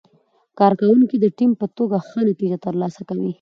کارکوونکي د ټیم په توګه ښه نتیجه ترلاسه کوي